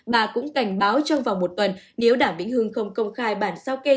bà cũng cảnh báo trong vòng một tuần nếu đảng vĩnh hương không công khai bản sao kê